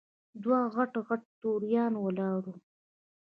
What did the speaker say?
دوه غټ غټ توریان ولاړ وو.